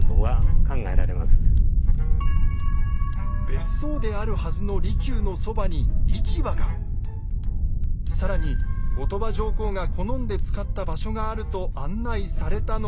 別荘であるはずの更に後鳥羽上皇が好んで使った場所があると案内されたのが。